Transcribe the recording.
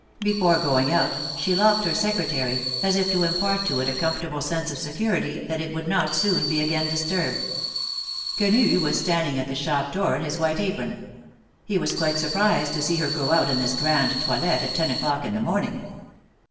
Before going out, she locked her Secretary, as if to im part to it a comfortable sense of security that it would not soon be again disturbed. Quenu was standing at the shop door in his white apron. He was quite surprised to see her go out in this grande toilette at ten o'clock in the morning.